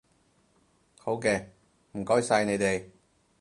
好嘅，唔該曬你哋